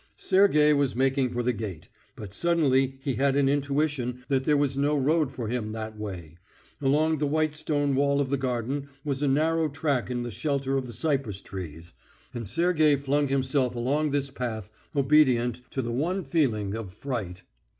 Sergey was making for the gate, but suddenly he had an intuition that there was no road for him that way. Along the white stone wall of the garden was a narrow track in the shelter of the cypress trees, and Sergey flung himself along this path, obedient to the one feeling of fright.